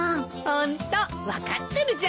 ホント分かってるじゃない。